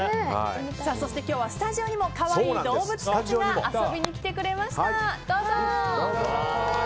そして今日はスタジオにも可愛い動物たちが遊びに来てくれました。